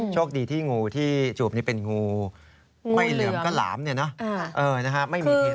ช่วงดีที่งูที่จูบเป็นงูไม่เหลืองก็หลามไม่มีพิษ